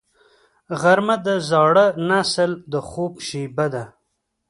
غرمه د زاړه نسل د خوب شیبه ده